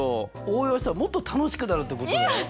応用したらもっと楽しくなるってことだよ。